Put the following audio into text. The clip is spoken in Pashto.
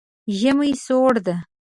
ژمی سوړ ده